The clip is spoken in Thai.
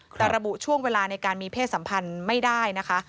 แต่ระบุช่วงเวลาในการมีเพศสัมพันธ์ไม่ได้นะคะ